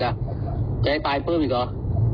จะให้ตายเพิ่มอีกหรอ